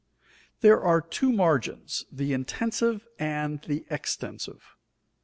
_There are two margins, the intensive and the extensive.